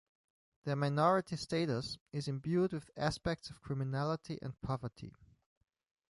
Their minority status is imbued with aspects of criminality and poverty.